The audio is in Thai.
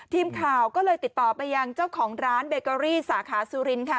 ทีมข่าวก็เลยติดต่อไปยังเจ้าของร้านเบเกอรี่สาขาสุรินค่ะ